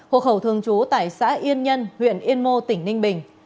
hộ khẩu thường trú tại xã yên nhân huyện yên mô tỉnh ninh bình